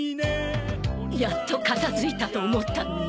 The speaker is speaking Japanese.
やっと片づいたと思ったのに。